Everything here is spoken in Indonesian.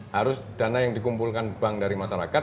harus dana yang dikumpulkan bank dari masyarakat